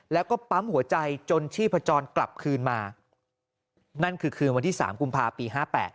แล้วก็ปั๊มหัวใจจนชีพจรกลับคืนมานั่นคือคืนวันที่๓กุมภาปี๕๘